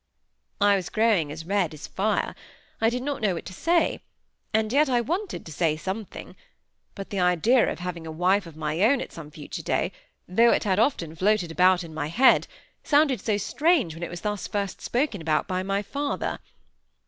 I was growing as red as fire; I did not know what to say, and yet I wanted to say something; but the idea of having a wife of my own at some future day, though it had often floated about in my own head, sounded so strange when it was thus first spoken about by my father.